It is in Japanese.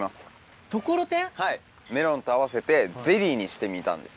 はいメロンと合わせてゼリーにしてみたんですよ。